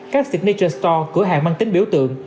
các signature store cửa hàng mang tính biểu tượng